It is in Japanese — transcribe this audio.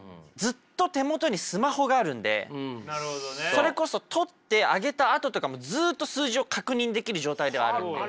それこそ撮って上げたあととかもずっと数字を確認できる状態ではあるんで。